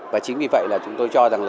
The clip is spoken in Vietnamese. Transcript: và chính vì vậy chúng tôi cho rằng